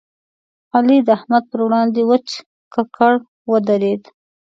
علي د احمد پر وړاندې وچ ککړ ودرېد.